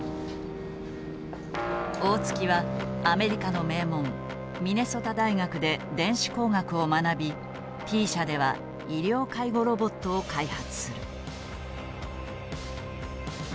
大槻はアメリカの名門ミネソタ大学で電子工学を学びＴ社では医療介護ロボットを開発する。